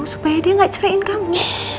supaya dia gak cerahin kamu